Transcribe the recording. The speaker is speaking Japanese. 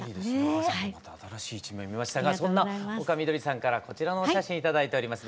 丘さんのまた新しい一面見ましたがそんな丘みどりさんからこちらのお写真頂いております。